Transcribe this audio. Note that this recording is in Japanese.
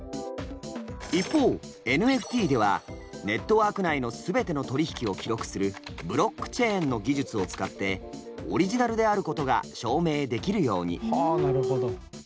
一方ＮＦＴではネットワーク内の全ての取り引きを記録する「ブロックチェーン」の技術を使ってオリジナルであることが証明できるように。